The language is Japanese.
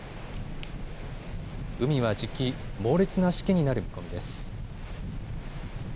海はじき、猛烈なしけになる見込みです。